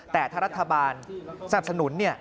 แต่ถ้ารัฐบาลสนับสนุน